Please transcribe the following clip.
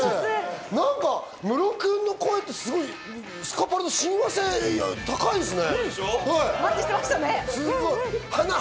なんかムロくんの声ってスカパラと親和性が高いですね。